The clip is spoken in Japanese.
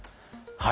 はい。